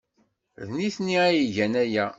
D nitni ay igan aya.